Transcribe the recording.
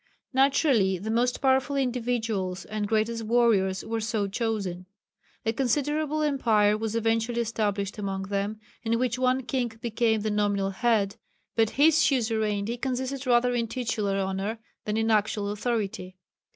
Naturally the most powerful individuals and greatest warriors were so chosen. A considerable empire was eventually established among them, in which one king became the nominal head, but his suzerainty consisted rather in titular honour than in actual authority.